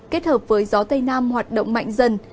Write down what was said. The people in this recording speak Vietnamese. kết hợp với gió tây nam hoạt động mạnh dần